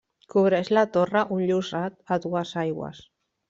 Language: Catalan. Cobreix la torre un llosat a dues aigües.